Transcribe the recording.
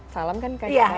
salam kan kak jawa